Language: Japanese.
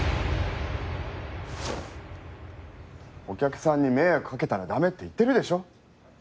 お客さんに迷惑かけたら駄目って言ってるでしょ。